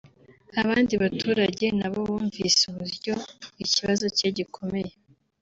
Abandi baturage na bo bumvise uburyo ikibazo cye gikomeye